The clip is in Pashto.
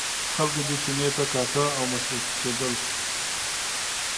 خلکو دې چیني ته کاته او مسکي کېدل.